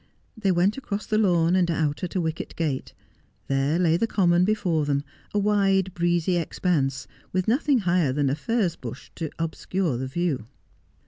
They went across the lawn and out at a wicket gate. There lay the common before them, a wide breezy expanse, with nothing higher than a furze bush to obscure the view.